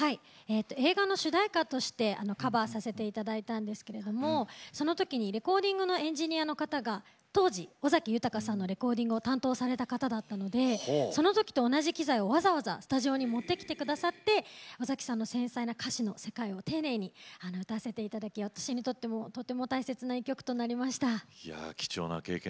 映画の主題歌としてカバーさせていただいたんですけれどもレコーディングのエンジニアの方が当時尾崎豊さんのレコーディングのエンジニアをされていた方だったので、そのときと同じ機材をわざわざ持ってきてくださって尾崎豊さんの繊細な世界を丁寧に歌わせていただいて私にとっても貴重な１曲となりました。